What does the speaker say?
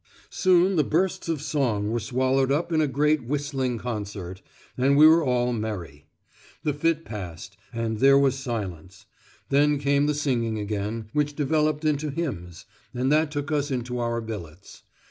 Soon the bursts of song were swallowed up in a great whistling concert, and we were all merry. The fit passed, and there was silence; then came the singing again, which developed into hymns, and that took us into our billets.